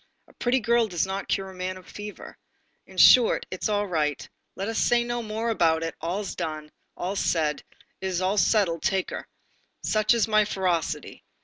A pretty girl does not cure a man of fever. In short, it's all right, let us say no more about it, all's said, all's done, it's all settled, take her. Such is my ferocity.